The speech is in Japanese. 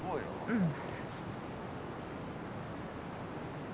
うん。